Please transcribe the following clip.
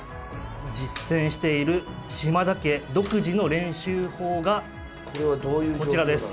実践している嶋田家独自の練習法がこちらです。